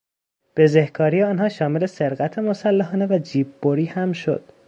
بزهکاری آنها شامل سرقت مسلحانه و جیببری هم شد.